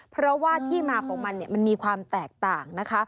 เพราะว่าที่มาของมันมันมีความแตกต่างนะคะ